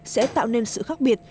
sẽ tạo nên sự khác biệt